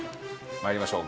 参りましょう。